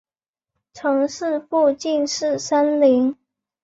城市附近是森林。